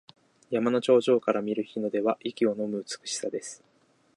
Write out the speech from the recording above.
山の頂上から見る日の出は息をのむ美しさです。